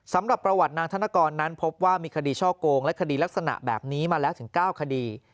สำหรับประวัตินางธนกรนั้นพบว่ามีคดีช่อโกงและคดีลักษณะแบบนี้มาแล้วถึง๙คดี